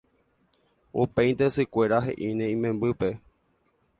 Upéinte sykuéra he'íne imembýpe